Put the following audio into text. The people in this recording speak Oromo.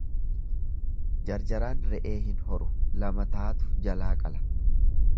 Jarjaraan re'ee hin horu lama taatu jalaa qala.